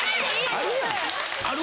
ある！？